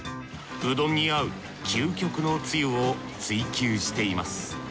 うどんに合う究極のつゆを追求しています。